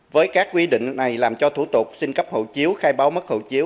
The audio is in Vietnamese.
với các quy định này làm cho thủ tục xin cấp hộ chiếu khai báo mất hộ chiếu